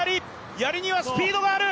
やりにはスピードがある！